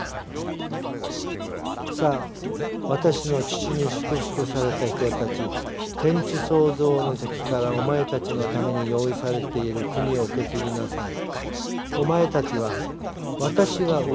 「さあ私の父に祝福された人たち天地創造の時からお前たちのために用意されている国を受け継ぎなさい」。